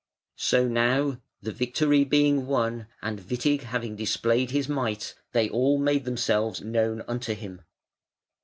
So now, the victory being won and Witig having displayed his might, they all made themselves known unto him.